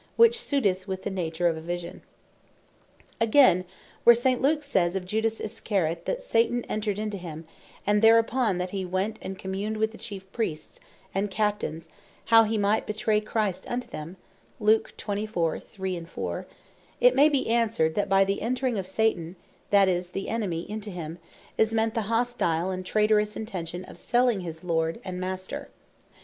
Which suiteth with the nature of a Vision. Again, where St. Luke sayes of Judas Iscariot, that "Satan entred into him, and thereupon that he went and communed with the Chief Priests, and Captaines, how he might betray Christ unto them:" it may be answered, that by the Entring of Satan (that is the Enemy) into him, is meant, the hostile and traiterous intention of selling his Lord and Master.